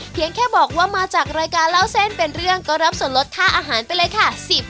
เพียงแค่บอกว่ามาจากรายการเล่าเส้นเป็นเรื่องก็รับส่วนลดค่าอาหารไปเลยค่ะ